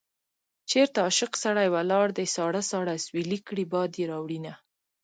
چېرته عاشق سړی ولاړ دی ساړه ساړه اسويلي کړي باد يې راوړينه